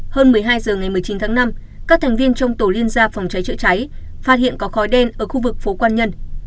hơn một mươi hai h ngày một mươi chín tháng năm các thành viên trong tổ liên gia phòng cháy chữa cháy phát hiện có khói đen ở khu vực phố quan nhân